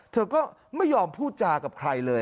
เธอก็ไม่ยอมพูดจากับใครเลย